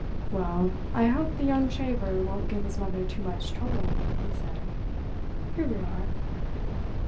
"Well, I hope the young shaver won't give his mother too much trouble," he said. "Here we are."